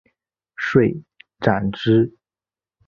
遂斩之。